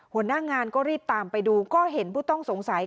หัวหน้างานก็รีบตามไปดูก็เห็นผู้ต้องสงสัย